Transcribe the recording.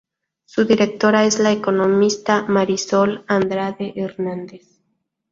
Su directora es la economista Marisol Andrade Hernández.